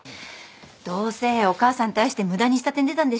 どうせお母さんに対して無駄に下手に出たんでしょ。